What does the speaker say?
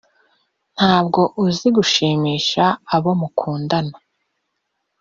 ntabwo uzi gushimisha abo mukundana, .